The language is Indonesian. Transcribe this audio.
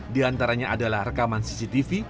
di antaranya adalah rekaman cctv